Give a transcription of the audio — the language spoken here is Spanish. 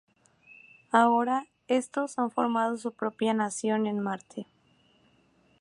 Ahora estos han formado su propia nación en Marte.